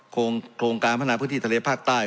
โครงการพันธุ์ประธานาคมพฤษที่ทะเลภาคใต้